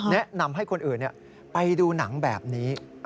แนะนำให้คนอื่นไปดูหนังแบบนี้